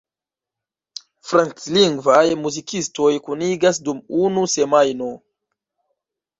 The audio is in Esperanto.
Franclingvaj muzikistoj kunigas dum unu semajno.